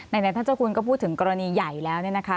ไหนท่านเจ้าคุณก็พูดถึงกรณีใหญ่แล้วเนี่ยนะคะ